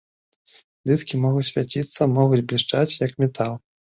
Дыскі могуць свяціцца, могуць блішчаць, як метал.